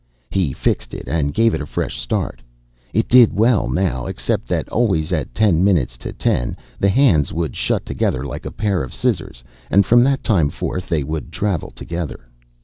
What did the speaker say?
He fixed it, and gave it a fresh start. It did well now, except that always at ten minutes to ten the hands would shut together like a pair of scissors, and from that time forth they would travel together.